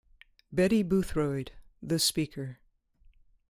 Betty Boothroyd, the Speaker.